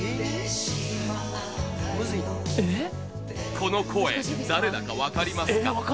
この声誰だか分かりますか？